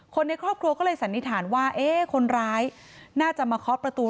ในครอบครัวก็เลยสันนิษฐานว่าเอ๊ะคนร้ายน่าจะมาเคาะประตู